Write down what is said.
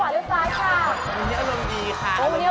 อันนี้อารมณ์ดีค่ะ